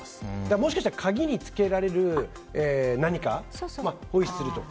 もしかしたら鍵につけられる何かホイッスルとか。